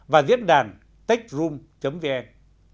và diễn đàn techroom vn